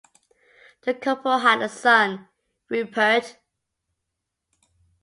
The couple had a son, Rupert.